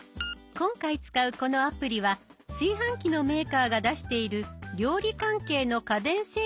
今回使うこのアプリは炊飯器のメーカーが出している料理関係の家電製品を管理するもの。